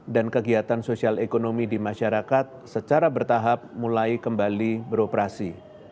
dan kegiatan sosial ekonomi di masyarakat secara bertahap mulai kembali beroperasi